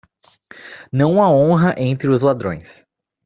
Não há honra entre os ladrões.